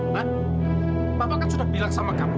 ban bapak kan sudah bilang sama kamu